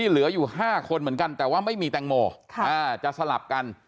เหลืออยู่๕คนเหมือนกันแต่ว่าไม่มีแตงโมจะสลับกัน